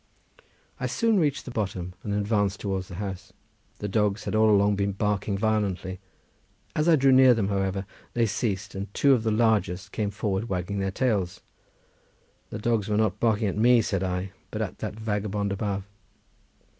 I soon reached the bottom, and advanced towards the house. The dogs had all along been barking violently; as I drew near to them, however, they ceased, and two of the largest came forward wagging their tails. "The dogs were not barking at me," said I, "but at that vagabond above."